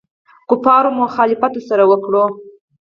کفارو مخالفت ورسره وکړ.